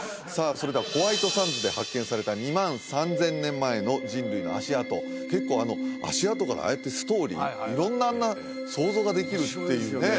それではホワイトサンズで発見された２万３０００年前の人類の足跡結構足跡からああやってストーリー色んなあんな想像ができるっていうね